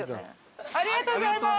ありがとうございます。